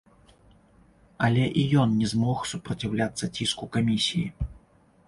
Але і ён не змог супраціўляцца ціску камісіі.